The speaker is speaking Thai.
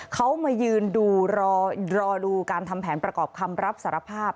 เขามายืนดูรอดูการทำแผนประกอบคำรับสารภาพ